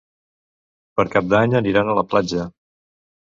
Per Cap d'Any aniran a la platja.